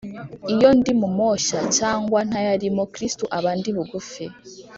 iyo ndi mu moshya cyangwa ntayarimo kristo abandi bugufi